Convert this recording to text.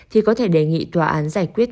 thì có thể đề nghị tòa án giải quyết